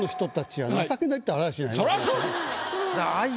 はい。